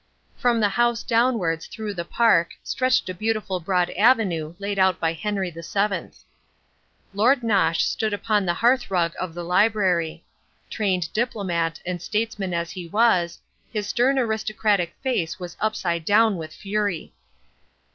From the house downwards through the park stretched a beautiful broad avenue laid out by Henry VII. Lord Nosh stood upon the hearthrug of the library. Trained diplomat and statesman as he was, his stern aristocratic face was upside down with fury.